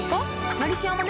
「のりしお」もね